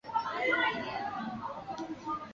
可重入互斥锁也称递归互斥锁。